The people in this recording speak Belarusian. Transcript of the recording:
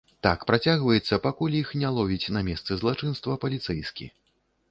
Так працягваецца, пакуль іх не ловіць на месцы злачынства паліцэйскі.